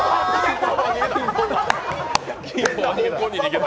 逃げた！